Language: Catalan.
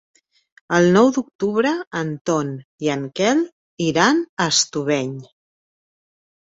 El nou d'octubre en Ton i en Quel iran a Estubeny.